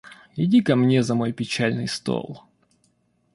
Иди ко мне за мой печальный стол.